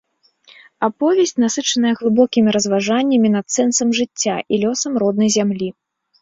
Аповесць насычаная глыбокімі разважаннямі над сэнсам жыцця і лёсам роднай зямлі.